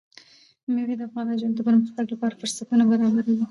مېوې د افغان نجونو د پرمختګ لپاره فرصتونه برابروي.